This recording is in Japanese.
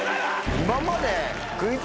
今まで。